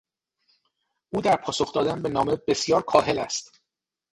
او در پاسخ دادن به نامه بسیار کاهل است.